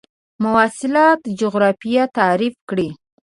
مواصلات جغرافیه تعریف کړئ.